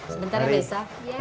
sebentar mbak isa